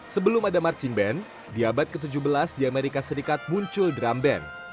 sebelum ada marching band di abad ke tujuh belas di amerika serikat muncul drum band